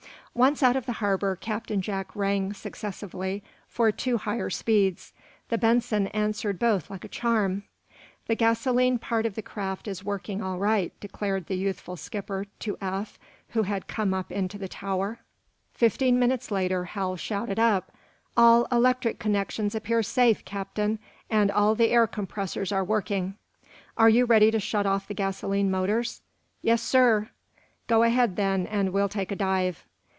Once out of the harbor Captain Jack rang, successively, for two higher speeds. The "Benson" answered both like a charm. "The gasoline part of the craft is working all right," declared the youthful skipper to Eph, who had come up into the tower. Fifteen minutes later Hal shouted up: "All electric connections appear safe, Captain. And all the air compressors are working." "Are you ready to shut off the gasoline motors?" "Yes, sir." "Go ahead, then, and we'll take a dive."